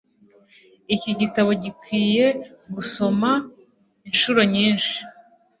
Iki gitabo gikwiye gusoma inshuro nyinshi.